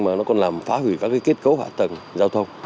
mà nó còn làm phá hủy các cái kết cấu hỏa tầng giao thông